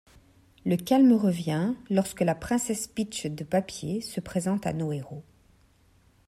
Le calme revient lorsque la Princesse Peach de papier se présente à nos héros.